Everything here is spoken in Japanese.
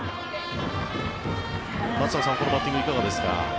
松坂さんこのバッティングいかがですか。